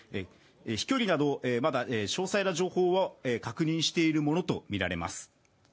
飛距離などまだ詳細な情報は確認しているものとみられます。